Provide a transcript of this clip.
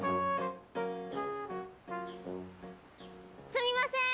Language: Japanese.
すみません！